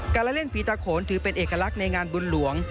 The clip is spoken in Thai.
การละเล่นผีตาโขนถือเป็นเอกลักษณ์ในงานบุญหลวง